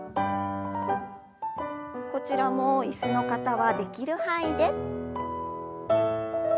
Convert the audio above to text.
こちらも椅子の方はできる範囲で。